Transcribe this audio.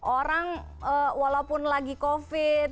orang walaupun lagi covid